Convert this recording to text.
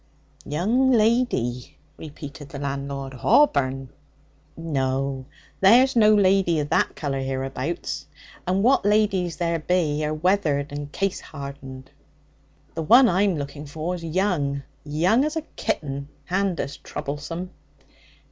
'Young lady!' repeated the landlord. 'Hawburn? No, there's no lady of that colour hereabouts. And what ladies there be are weathered and case hardened.' 'The one I'm looking for's young young as a kitten, and as troublesome.'